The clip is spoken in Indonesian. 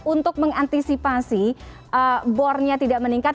untuk mengantisipasi bornya tidak meningkat